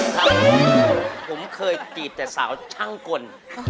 ผมเคยจีบแต่สาวทั้งคน